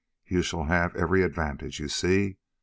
You shall have every advantage, you see?